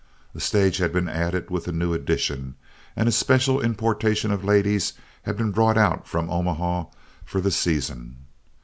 A stage had been added with the new addition, and a special importation of ladies had been brought out from Omaha for the season.